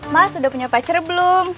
mas sudah punya pacar belum